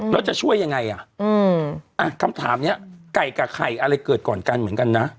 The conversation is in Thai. แล้วจะช่วยยังไงอ่ะคำถามนี้ไก่กับไข่อะไรเกิดก่อนกันเหมือนกันนะ